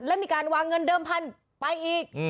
แล้วมีการวางเงินเดิมพันธุ์ไปอีก